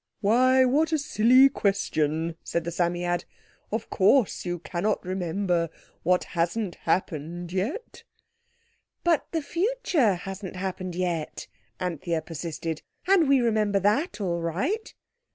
"Why, what a silly question!" said the Psammead, "of course you cannot remember what hasn't happened yet." "But the future hasn't happened yet," Anthea persisted, "and we remember that all right."